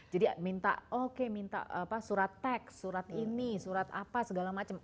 jadi minta oke minta apa surat teks surat ini surat apa segala macem